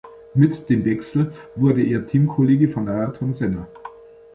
Mit dem Wechsel wurde er Teamkollege von Ayrton Senna.